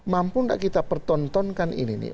mampu nggak kita pertontonkan ini nih